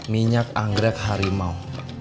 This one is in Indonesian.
minyak anggrek harimau